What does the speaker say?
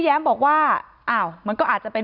ที่มีข่าวเรื่องน้องหายตัว